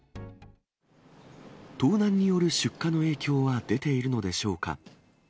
盗難による出荷の影響は出ているのでしょうか。